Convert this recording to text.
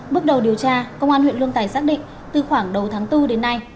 bước đầu điều tra công an huyện lương tài xác định từ khoảng đầu tháng bốn đến nay